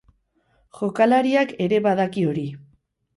Jokalariak ere badaki hori.